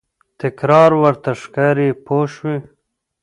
تکرار ورته ښکاري پوه شوې!.